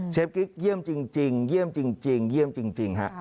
เชฟกิ๊กเยี่ยมจริงค่ะ